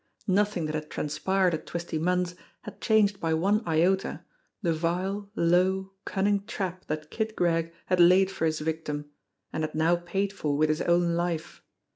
Nothing that had transpired at Twisty Munn's had changed by one iota the vile, low, cun ning trap that Kid Gregg had laid for his victim and had now paid for with his own life.